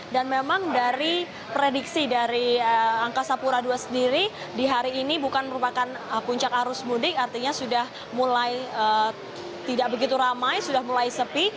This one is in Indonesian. dan memang dari prediksi dari angkasa pura ii sendiri di hari ini bukan merupakan puncak arus mudik artinya sudah mulai tidak begitu ramai sudah mulai sepi